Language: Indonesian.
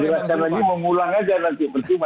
kalau saya bilangkan lagi mengulang aja nanti bersih